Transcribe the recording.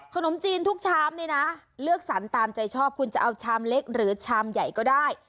ขนมจีนทุกชามนี่นะเลือกสรรตามใจชอบคุณจะเอาชามเล็กหรือชามใหญ่ก็ได้